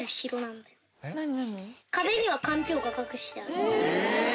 壁にはかんぴょうが隠してある。